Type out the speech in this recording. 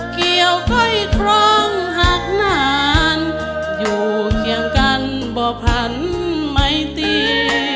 เกี่ยวก้อยครองหักนานอยู่เคียงกันบ่พันไม่ตี